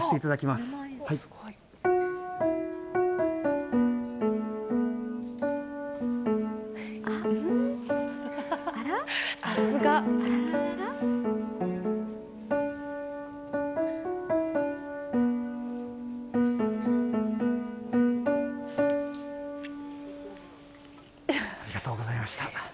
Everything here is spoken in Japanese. さすが。ありがとうございました。